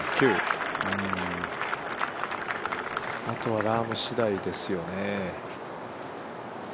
あとはラームしだいですよね。